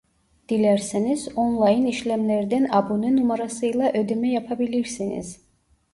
Dilerseniz online işlemlerden abone numarasıyla ödeme yapabilirsiniz